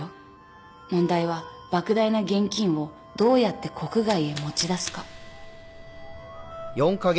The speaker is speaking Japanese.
問題は莫大な現金をどうやって国外へ持ち出すか。